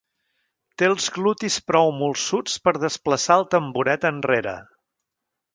Té els glutis prou molsuts per desplaçar el tamboret enrere.